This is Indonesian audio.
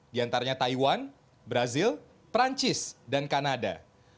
di antaranya taiwan brazil perancis dan kanada